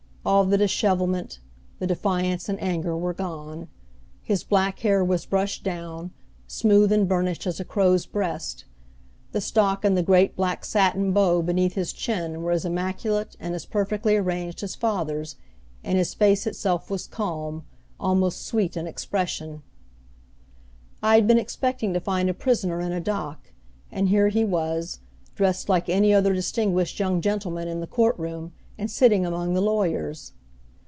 All the dishevelment, the defiance and anger were gone. His black hair was brushed down, smooth and burnished as a crow's breast. The stock and the great black satin bow beneath his chin were as immaculate and as perfectly arranged as father's, and his face itself was calm, almost sweet in expression. I had been expecting to find a prisoner in a dock, and here he was, dressed like any other distinguished young gentleman in the court room, and sitting among the lawyers.